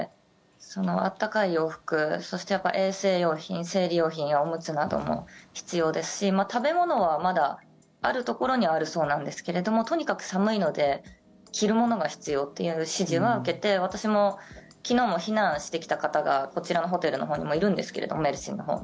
暖かい洋服そして衛生用品、生理用品やおむつなども必要ですし食べ物はまだ、あるところにはあるそうなんですけれどもとにかく寒いので着るものが必要という指示は受けて、私も昨日も避難してきた方がこちらのホテルのほうにもいるんですけれどもメルシンのほうの。